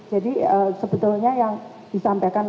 jadi sebetulnya yang disampaikan